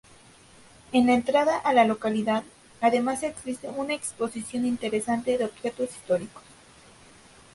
En la entrada a la localidad, además existe una exposición interesante de objetos históricos.